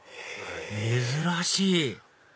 珍しい！